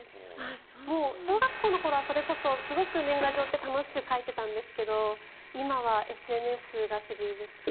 もう小学校の頃は、すごく年賀状って楽しく書いてたんですけど今はＳＮＳが主流ですかね。